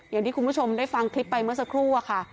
อย่างที่คุณผู้ชมได้ฟังคลิปไปเมื่อสักครู่อะค่ะ